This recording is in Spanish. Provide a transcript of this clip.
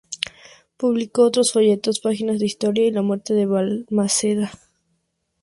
Publicó otros folletos: ""Páginas de historia"" y ""La muerte de Balmaceda"".